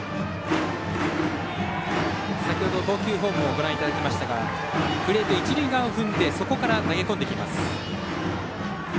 先ほど投球フォームをご覧いただきましたがプレート一塁側を踏んでそこから投げ込んできます。